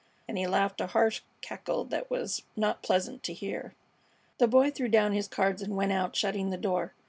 And he laughed a harsh cackle that was not pleasant to hear. The Boy threw down his cards and went out, shutting the door.